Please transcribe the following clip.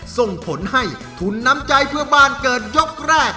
ส่งผลให้ทุนน้ำใจเพื่อบ้านเกิดยกแรก